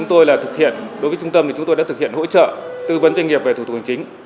đối với trung tâm chúng tôi đã thực hiện hỗ trợ tư vấn doanh nghiệp về thủ tục hành chính